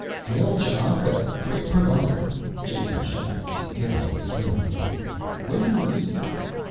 "Hail, Ch'aka, great provider," Jason shouted to get into the swing of things. "When do we eat?"